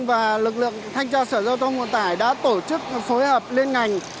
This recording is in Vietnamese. và lực lượng thanh tra sở giao thông nguồn tải đã tổ chức phối hợp lên ngành